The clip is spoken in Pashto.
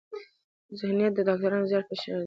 ذهنيت د ډاکټر زيار په دې شعر کې